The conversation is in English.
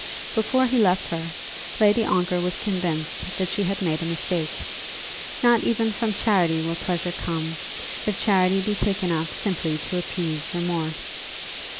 Before he left her, Lady Ongar was convinced that she had made a mistake. Not even from charity will pleasure come, if charity be taken up simply to appease remorse.